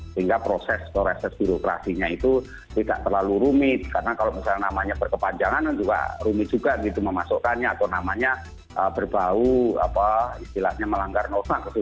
sehingga proses atau reses birokrasinya itu tidak terlalu rumit karena kalau misalnya namanya berkepanjangan juga rumit juga gitu memasukkannya atau namanya berbau istilahnya melanggar norma